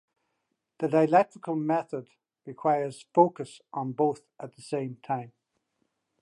The dialectical method requires focus on both at the same time.